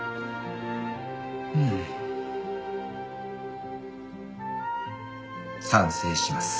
うん。賛成します。